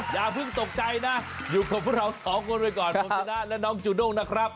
อย่าเพิ่งตกใจนะอยู่กับพวกเราสองคนไว้ก่อนผมชนะและน้องจูด้งนะครับ